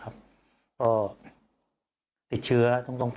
ก็เลยต้องมาไลฟ์ขายของแบบนี้เดี๋ยวดูบรรยากาศกันหน่อยนะคะ